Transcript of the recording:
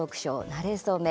なれそめ」